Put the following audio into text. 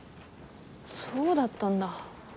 そうだったんだ。